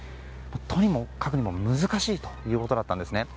とにもかくにも難しいということだったんですね。